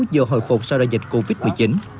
vừa hồi phục sau đại dịch covid một mươi chín